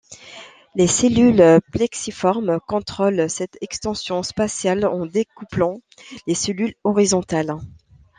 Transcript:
Les cellules plexiformes contrôlent cette extension spatiale en découplant les cellules horizontales.